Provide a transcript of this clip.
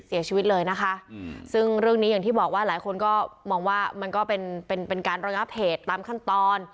เสียชีวิตเลยนะคะซึ่งเรื่องนี้อย่างที่บอกว่าหลายคนก็มองว่ามันก็เป็นเป็นการระงับเหตุตามขั้นตอน